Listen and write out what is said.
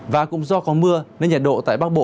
và cũng do có mưa nên nhiệt độ tại bắc bộ